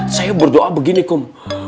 saya berdoa begini kum